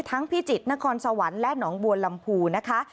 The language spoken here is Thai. ทั้งพี่จิตนครสวรรค์และหนองบวนลำภูร์นะคะ